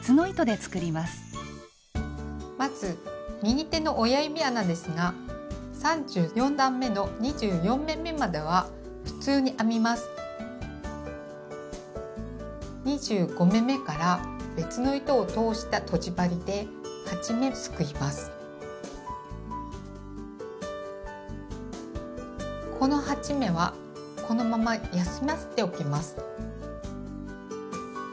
まず右手の親指穴ですが３４段めのこの８目はこのまま休ませておきます。